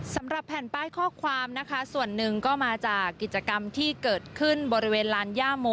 สำหรับแผ่นป้ายข้อความนะคะส่วนหนึ่งก็มาจากกิจกรรมที่เกิดขึ้นบริเวณลานย่าโม